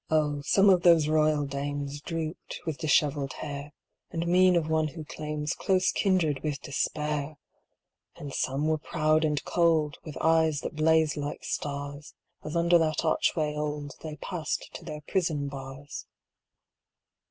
THE PRINCES' CHAMBER 45 1 O, some of those royal dames Drooped, with dishevelled hair, And mien of one who claims Close kindred with despair ! And some were proud and cold, With eyes that blazed like stars, As under that archway old They passed to their prison bars.